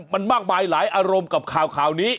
มันมากมายหลายอารมณ์กับข่าวนี้